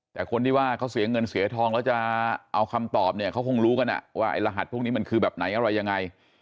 แต่คนที่ว่าเขาเสียเงินเสียทองแล้วจะเอาคำตอบเนี่ยเขาคงรู้กันว่าไอ้รหัสพวกนี้มันคือแบบไหนอะไรยังไง